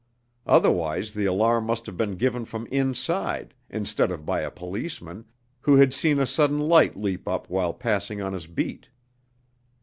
Otherwise the alarm must have been given from inside, instead of by a policeman, who had seen a sudden light leap up while passing on his beat.